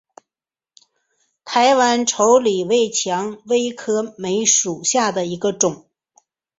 台湾稠李为蔷薇科梅属下的一个种。